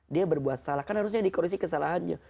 dia berbuat salah kan harusnya dikoreksi kesalahannya